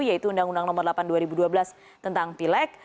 yaitu undang undang nomor delapan dua ribu dua belas tentang pileg